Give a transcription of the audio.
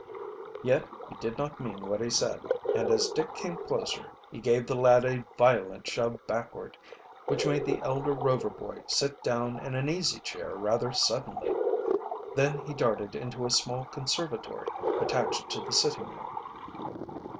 Yet he did not mean what he said, and as Dick came closer he gave the lad a violent shove backward, which made the elder Rover boy sit down in an easy chair rather suddenly. Then he darted into a small conservatory attached to the sitting room.